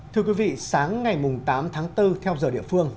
thưa quý vị sáng ngày tám tháng bốn theo giờ địa phương